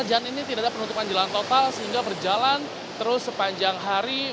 terima kasih dada penutupan jalan total sehingga berjalan terus sepanjang hari